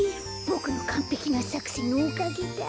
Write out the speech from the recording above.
ボクのかんぺきなさくせんのおかげだ！